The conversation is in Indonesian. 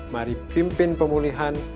mari pimpin pemulihan